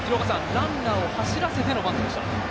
ランナーを走らせてのバントでした。